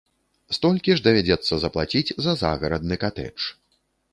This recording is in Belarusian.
Столькі ж давядзецца заплаціць за загарадны катэдж.